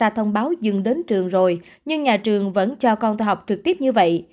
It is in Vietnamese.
học sinh không báo dừng đến trường rồi nhưng nhà trường vẫn cho con tôi học trực tiếp như vậy